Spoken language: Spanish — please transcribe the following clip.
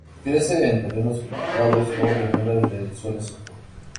Crece en terrenos cultivados o llanuras de suelo seco.